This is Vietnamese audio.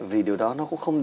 vì điều đó nó cũng không